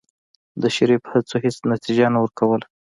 د شريف هڅو هېڅ نتيجه نه ورکوله.